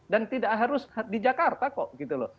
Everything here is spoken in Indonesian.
dan tidak harus di jakarta kok gitu loh